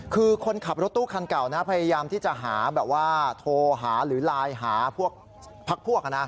คือคนขับรถตู้คันเก่านะพยายามที่จะหาแบบว่าโทรหาหรือไลน์หาพวกพักพวกนะ